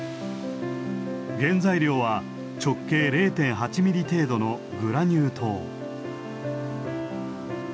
原材料は直径０．８ミリ程度のグラニュー糖。